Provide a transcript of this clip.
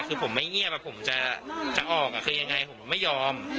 คือผมมั้ยเงียบอะผมจะออกคือยังไงผมไม่ยอม